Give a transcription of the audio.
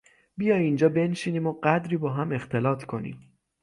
بیا اینجا بنشینیم و قدری با هم اختلاط کنیم.